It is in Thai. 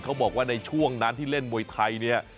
เขาบอกว่าในช่วงนั้นที่เล่นมวยไทยเนี่ย